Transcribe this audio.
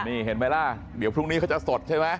นี่เห็นไหมล่ะเดี๋ยวพรุ่งนี้เขาจะสดใช่ไหม